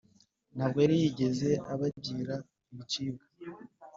ntabwo yari yigeze abagira ibicibwa